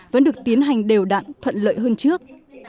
vẫn được tiến hành đều đặn thuận lợi hơn trước